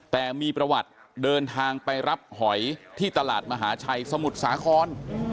แต่มีประวัติเดินทางไปรับหอยที่ตลาดมหาชัยสมุทรสาคร